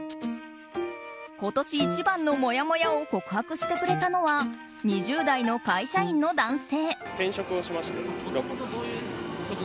今年一番のもやもやを告白してくれたのは２０代の会社員の男性。